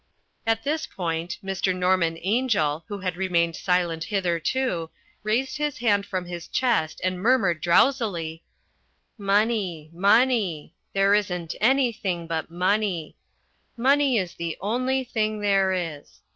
At this point, Mr. Norman Angell, who had remained silent hitherto, raised his head from his chest and murmured drowsily: "Money, money, there isn't anything but money. Money is the only thing there is.